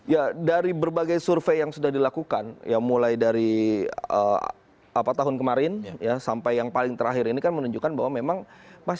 ya dari berbagai survei yang sudah dilakukan ya mulai dari tahun kemarin sampai yang paling terakhir ini kan menunjukkan bahwa memang masyarakat berharap kepada pak ahok